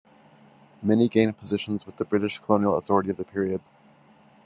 Many gained positions with the British colonial authority of the period.